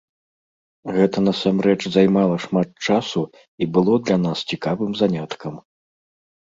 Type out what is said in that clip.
Гэта насамрэч займала шмат часу і было для нас цікавым заняткам.